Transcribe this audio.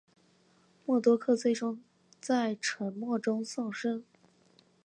默多克最终在沉没中丧生。